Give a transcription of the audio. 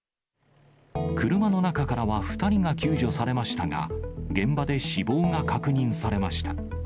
車の中からは２人が救助されましたが、現場で死亡が確認されました。